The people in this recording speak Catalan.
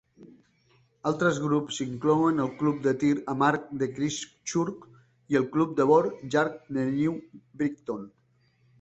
Altres grups inclouen el club de tir amb arc de Christchurch i el club de bord llarg de New Brighton.